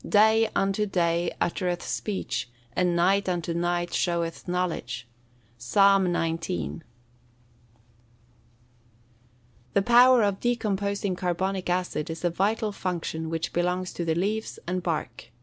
Day unto day uttereth speech, and night unto night showeth knowledge." PSALM XIX.] "The power of decomposing carbonic acid is a vital function which belongs to the leaves and bark.